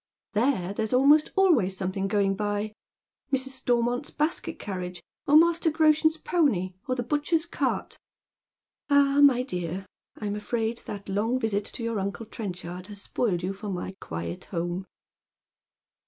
There there's almost always something going by — Mrs. Stormont's basket carriage, or Master Groshen's pony, or the butcher's cart." " Ah, my dear, I'm afraid that long visit to your uncle Tren chard has spoiled you for my quiet home."